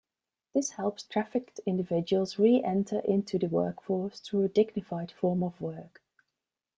This helps trafficked individuals re-enter into the workforce through a dignified form of work.